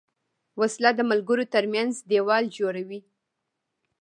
وسله د ملګرو تر منځ دیوال جوړوي